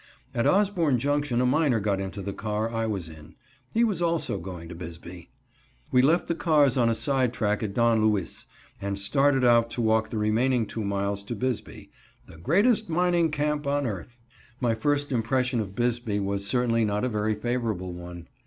At Osborne Junction a miner got into the car I was in. He was also going to Bisbee. We left the cars on a side track at Don Luis and started out to walk the remaining two miles to Bisbee, "The Greatest Mining Camp on Earth." My first impression of Bisbee was certainly not a very favorable one.